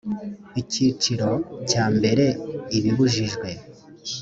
icyiciro cya mbere ibibujijwe